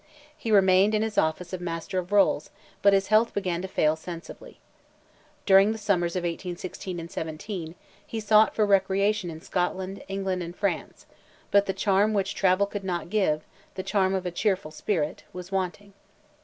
He remained in his office of Master of the Rolls, but his health began to fail sensibly. During the summers of 1816 and '17, he sought for recreation in Scotland, England and France, but the charm which travel could not give—the charm of a cheerful spirit—was wanting.